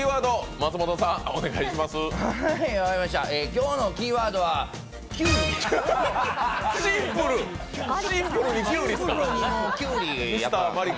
今日のキーワードはきゅうり。